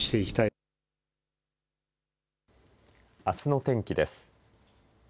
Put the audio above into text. あすの天気です。